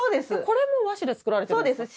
これも和紙で作られてんですか？